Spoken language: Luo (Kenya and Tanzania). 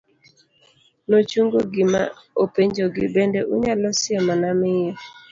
nochungo gi ma openjogi, bende unyalo siemona miyo